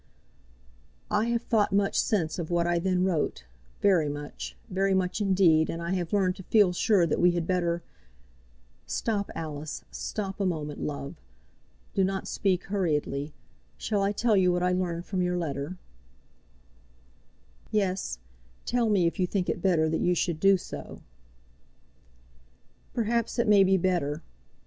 "I have thought much, since, of what I then wrote, very much, very much, indeed; and I have learned to feel sure that we had better " "Stop, Alice; stop a moment, love. Do not speak hurriedly. Shall I tell you what I learned from your letter?" "Yes; tell me, if you think it better that you should do so." "Perhaps it may be better.